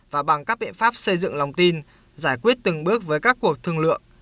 và bằng các biện pháp xây dựng lòng tin giải quyết từng bước với các cuộc thương lượng